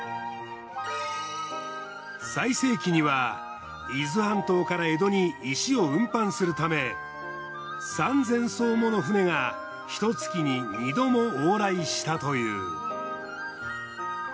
最盛期には伊豆半島から江戸に石を運搬するため３，０００艘もの船がひと月に二度も往来したという。